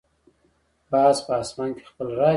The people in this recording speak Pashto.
باز په آسمان کې خپل راج لري